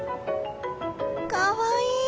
かわいい！